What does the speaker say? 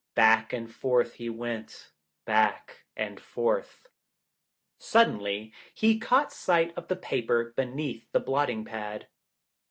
Back and forth he went, back and forth. Suddenly he caught sight of the paper be neath the blotting pad.